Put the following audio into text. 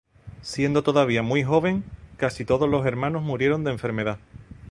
Siendo todavía muy joven, casi todos los hermanos murieron de enfermedad.